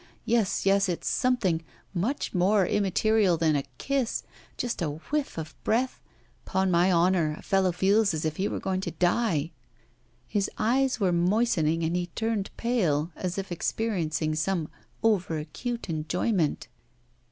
Yes, yes, it's something much more immaterial than a kiss, just a whiff of breath. 'Pon my honour, a fellow feels as if he were going to die.' His eyes were moistening and he turned pale, as if experiencing some over acute enjoyment.